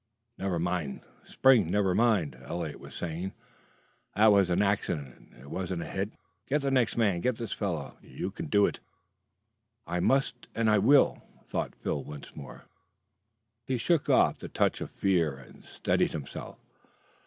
"Never mind, Spring never mind," Eliot was saying. "That was an accident; it wasn't a hit. Get the next man; get this fellow. You can do it." "I must, and I will!" thought Phil once more. He shook off the touch of fear and steadied himself.